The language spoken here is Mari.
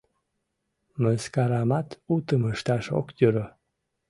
Мыскарамат утым ышташ ок йӧрӧ.